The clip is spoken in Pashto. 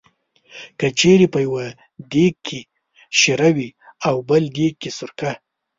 که چېرې په یو دېګ کې شېره وي او بل دېګ کې سرکه.